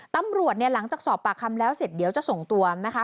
ตำรวจเนี่ยหลังจากสอบปากคำแล้วเสร็จเดี๋ยวจะส่งตัวนะคะ